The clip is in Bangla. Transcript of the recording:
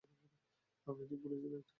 আপনি ঠিক বলেছিলেন।